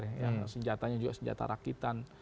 yang senjatanya juga senjata rakitan